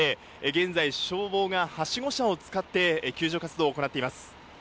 現在、消防がはしご車を使って救助活動を行っています。